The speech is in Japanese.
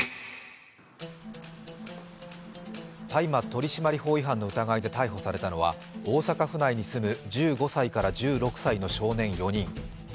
大麻取締法違反の疑いで逮捕されたのは大阪府内に住む１５歳から１６歳の少年４人。